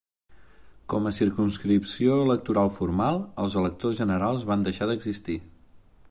Com a circumscripció electoral formal, els electors generals van deixar d'existir.